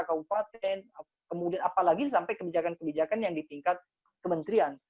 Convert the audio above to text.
kabupaten kemudian apalagi sampai kebijakan kebijakan yang di tingkat kementerian